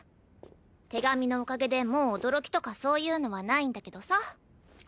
手紙のおかげでもう驚きとかそういうのは無いんだけどさ。